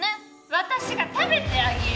私が食べてあげよう。